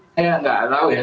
saya nggak tahu ya